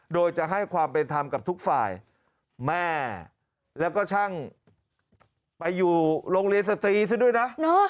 โดยจะให้ความเป็นธรรมกับทุกฝ่ายแม่แล้วก็ช่างไปอยู่โรงเรียนสตรีซะด้วยนะ